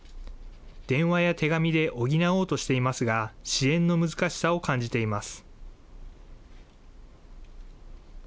電話や手紙で補おうとしていますが、支援の難しさを感じています。